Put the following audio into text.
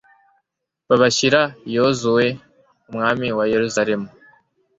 babashyira yozuwe: umwami wa yeruzalemu